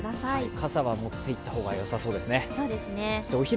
傘は持っていった方が良さそうですね。